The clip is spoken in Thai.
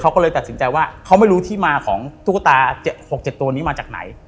เขาก็เลยตัดสินใจว่าเขาไม่รู้ที่มาของตุ๊กตา๖๗ตัวนี้มาจากไหน